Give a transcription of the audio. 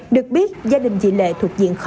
được biết gia đình chị lệ thuộc diện khó